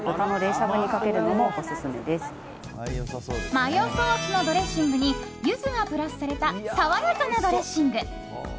マヨソースのドレッシングにユズがプラスされた爽やかなドレッシング。